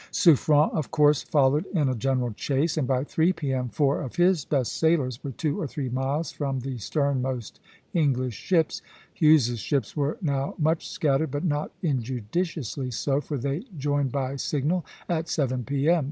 Suffren of course followed in a general chase, and by three P.M. four of his best sailers were two or three miles from the sternmost English ships. Hughes's ships were now much scattered, but not injudiciously so, for they joined by signal at seven P.M.